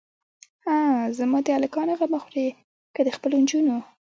هه زما د الکانو غمه خورې که د خپلو جونو.